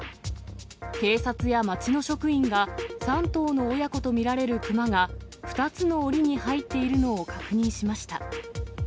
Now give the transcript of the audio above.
警察や町の職員が３頭の親子と見られるクマが２つのおりに入っているのを確認しました。